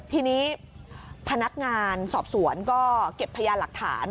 ทีนี้พนักงานสอบสวนก็เก็บพยานหลักฐาน